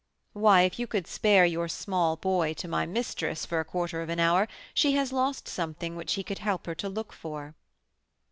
"Why, if you could spare your 'small boy' to my mistress for a quarter of an hour, she has lost something which he could help her to look for."